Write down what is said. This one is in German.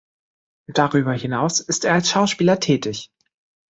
Darüber hinaus ist er als Schauspieler tätig.